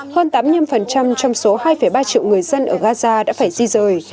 hơn tám mươi năm trong số hai ba triệu người dân ở gaza đã phải di rời